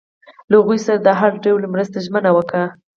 له هغوی سره یې د هر ډول مرستې ژمنه وکړه.